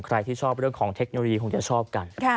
ใครที่ชอบเรื่องของเทคโนโลยีคงจะชอบกัน